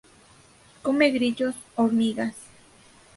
Come grillos, hormigas.